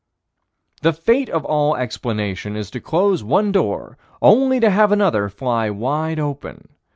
The fate of all explanation is to close one door only to have another fly wide open.